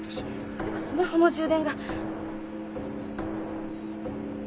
それはスマホの充電が。